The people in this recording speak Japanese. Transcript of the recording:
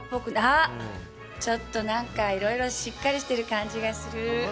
あっちょっと何かいろいろしっかりしてる感じがする。